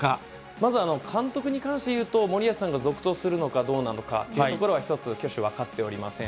まず、監督に関していうと、森保さんが続投するのかどうなのかっていうところが１つ、去就、分かっておりません。